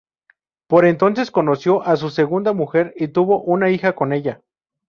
Por entonces conoció a su segunda mujer y tuvo una hija con ella.